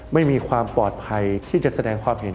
ไม่มีความปลอดภัยที่จะแสดงความเห็น